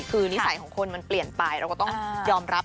คือนิสัยของคนมันเปลี่ยนไปเราก็ต้องยอมรับ